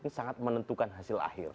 ini sangat menentukan hasil akhir